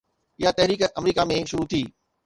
اها تحريڪ آمريڪا ۾ شروع ٿي